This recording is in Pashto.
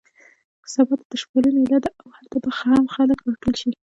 سبا ته د شپولې مېله ده او هلته به هم خلک راټول شي.